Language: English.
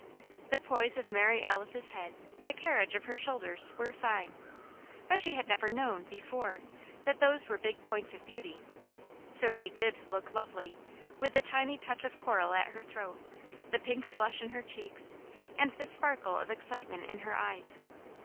The poise of Mary Alice's head, the carriage of her shoulders, were fine. But she had never known, before, that those were big points of beauty. So she did took lovely, with the tiny touch of coral at her throat, the pink flush in her cheeks, and the sparkle of excitement in her eyes.